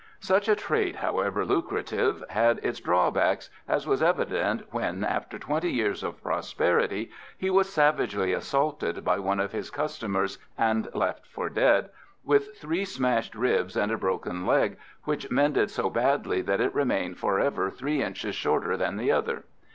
Such a trade, however lucrative, had its drawbacks, as was evident when, after twenty years of prosperity, he was savagely assaulted by one of his customers and left for dead, with three smashed ribs and a broken leg, which mended so badly that it remained for ever three inches shorter than the other.